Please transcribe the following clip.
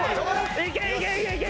いけ！